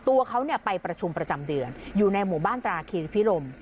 ตัวเขาไปประชุมประจำเดือนอยู่ในหมู่บ้านตราคีพิรม